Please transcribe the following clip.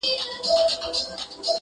د گريوان ډورۍ ته دادی ځان ورسپاري_